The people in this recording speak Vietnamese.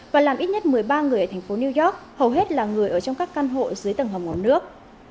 và làm ít nhất một mươi ba người ở thành phố new york hầu hết là người ở trong các căn hộ dưới tầng hầm ngọn nước